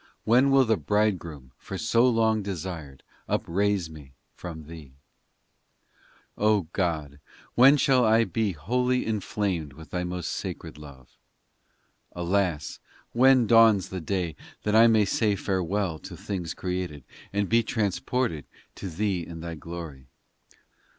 When will the Bridegroom for so long desired Upraise me from thee ? VIII O God ! when shall I be Wholly inflamed with Thy most sacred love ? Alas, when dawns the day That I may say farewell to things created And be transported to Thee in Thy glory